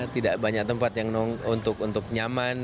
tidak banyak tempat yang untuk nyaman